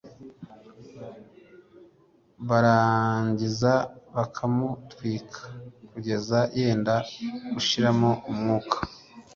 barangiza bakamutwika kugeza yenda gushiramo umwuka